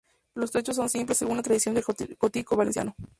Los techos son simples, según la tradición del gótico valenciano.